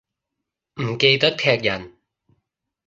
唔記得踢人